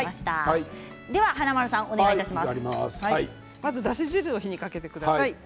まずだし汁を火にかけてください。